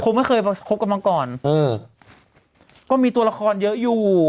ไม่เคยคบกันมาก่อนเออก็มีตัวละครเยอะอยู่